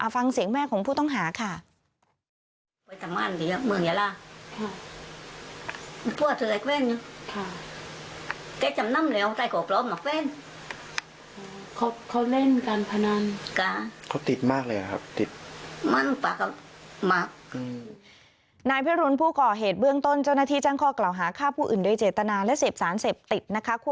ฟังเสียงแม่ของผู้ต้องหาค่ะ